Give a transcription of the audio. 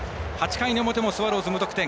８回の表もスワローズ無得点。